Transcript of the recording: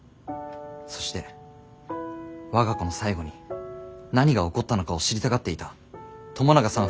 そして「我が子の最期に何が起こったのか」を知りたがっていた友永さん